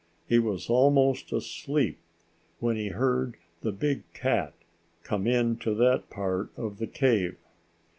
He was almost asleep, when he heard the big cat come into that part of the cave.